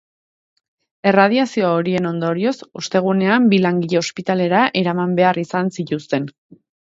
Erradiazio horien ondorioz, ostegunean bi langile ospitalera eraman behar izan zituzten.